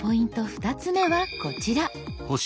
２つ目はこちら。